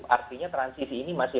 artinya transisi ini masih